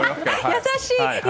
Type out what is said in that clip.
優しい。